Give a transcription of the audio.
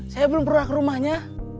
saya belum pernah ke rumahnya